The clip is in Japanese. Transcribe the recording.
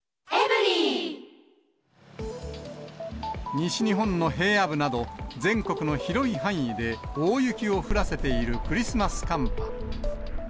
西日本の平野部など、全国の広い範囲で大雪を降らせているクリスマス寒波。